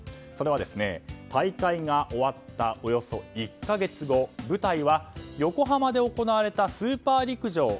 それは大会が終わったおよそ１か月後舞台は、横浜で行われたスーパー陸上。